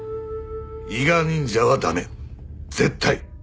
伊賀忍者は駄目絶対！